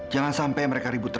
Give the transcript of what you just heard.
jangan sampai mereka ributnya